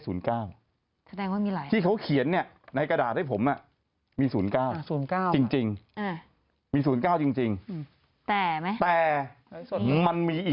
แสดงว่ามีอะไร